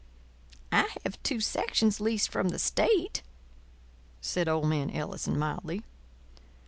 "I have two sections leased from the state," said old man Ellison, mildly.